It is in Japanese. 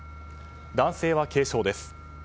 男性は軽傷です。